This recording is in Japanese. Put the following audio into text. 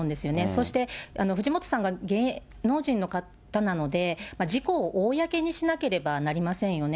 そして藤本さんが芸能人の方なので、事故を公にしなければなりませんよね。